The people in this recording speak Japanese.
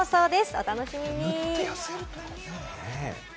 お楽しみに。